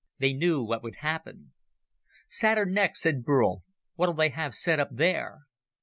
They knew what would happen." "Saturn next," said Burl. "What'll they have set up there?"